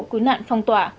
cứu nạn phòng tố